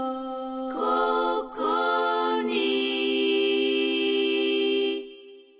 「ここに」